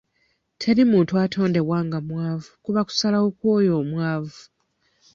Teri muntu atondebwa nga mwavu kuba kusalawo kw'oyo omwavu.